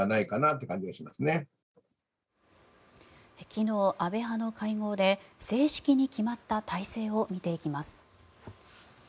昨日、安倍派の会合で正式に決まった体制を見ていきます。